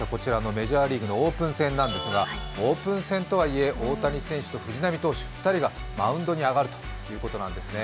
メジャーリーグのオープン戦なんですがオープン戦とはいえ大谷選手と藤浪選手、２人がマウンドに上がるということなんですね。